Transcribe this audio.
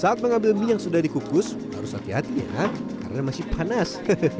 saat mengambil mie yang sudah dikukus harus hati hati ya karena masih panas